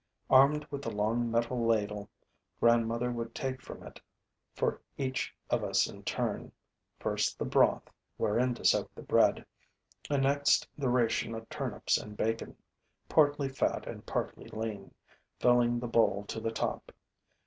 Armed with a long metal ladle, grandmother would take from it, for each of us in turn, first the broth, wherein to soak the bread, and next the ration of turnips and bacon, partly fat and partly lean, filling the bowl to the top.